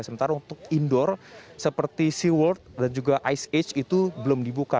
sementara untuk indoor seperti sea world dan juga ice age itu belum dibuka